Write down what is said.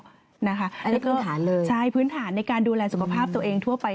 อันนี้พื้นฐานเลยใช่พื้นฐานในการดูแลสุขภาพตัวเองทั่วไป